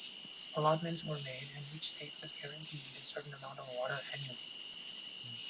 Allotments were made and each state was guaranteed a certain amount of water annually.